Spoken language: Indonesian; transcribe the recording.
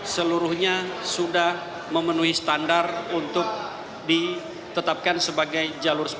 seluruhnya sudah memenuhi standar untuk ditetapkan sebagai jalur sepeda